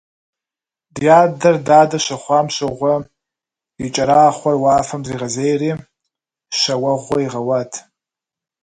Ди адэр дадэ щыхъуам щыгъуэ, и кӏэрахъуэр уафэм дригъэзейри щэ уэгъуэ игъэуат.